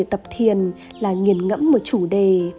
cách thứ ba để tập thiền là nhìn ngẫm một chủ đề